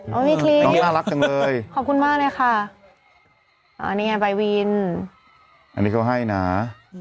มีคลิปน้องน่ารักจังเลยขอบคุณมากเลยค่ะอ๋อนี่ไงใบวินอันนี้เขาให้นะ